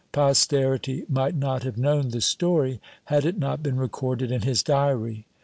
Posterity might not have known the story, had it not been recorded in his Diary.